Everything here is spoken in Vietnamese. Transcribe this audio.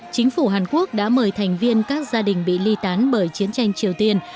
chính phủ hàn quốc đã mời thành viên các gia đình bị ly tán bởi chiến tranh triều tiên